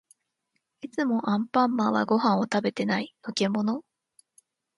いつもアンパンマンはご飯を食べてない。のけもの？